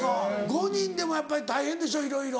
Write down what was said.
５人でも大変でしょいろいろ。